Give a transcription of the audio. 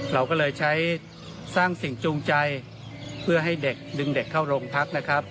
เราก็เลยใช้สร้างสิ่งจูงใจเพื่อให้เด็กดึงเด็กเข้าโรงพักนะครับ